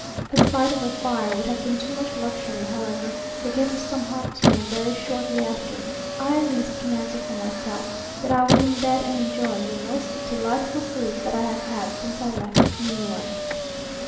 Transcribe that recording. The sight of a fire would have been too much luxury; however, they gave us some hot tea, and very shortly after, I at least can answer for myself, that I was in bed, and enjoying the most delightful sleep that I have had since I left New York.